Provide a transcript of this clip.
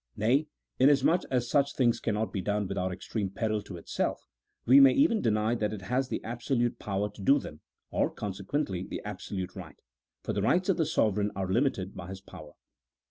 Nay, inasmuch as such things cannot be done without extreme peril to itself, we may even deny that it has the absolute power to do them, or, consequently, the absolute right ; for the rights of the sovereign are limited by his power.